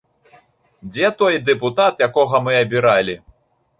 Дзе той дэпутат, якога мы абіралі?